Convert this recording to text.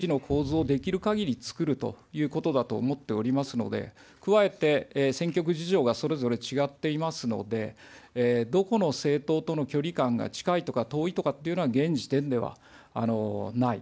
結論から言うと、１対１の構図をできるかぎりつくるということだと思っておりますので、加えて、選挙区事情がそれぞれ違っていますので、どこの政党との距離感が近いとか遠いとかっていうのは現時点ではない。